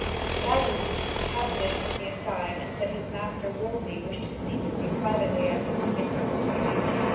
That evening Cavendish took me aside and said his master, Wolsey, wished to speak to me privately at a convenient opportunity.